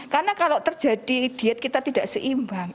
karena kalau terjadi diet kita tidak seimbang